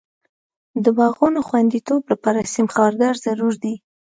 د باغونو خوندیتوب لپاره سیم خاردار ضرور دی.